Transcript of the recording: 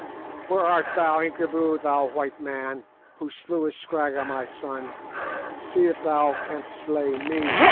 "Where art thou, Incubu, thou white man, who slewest Scragga my son—see if thou canst slay me!"